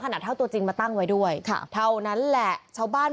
เท่าตัวจริงมาตั้งไว้ด้วยค่ะเท่านั้นแหละชาวบ้าน